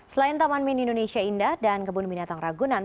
selain taman mini indonesia indah dan kebun binatang ragunan